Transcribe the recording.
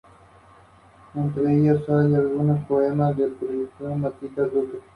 Con el paso del tiempo, los restos cayeron al suelo.